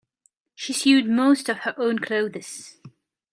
She sewed most of her own clothes.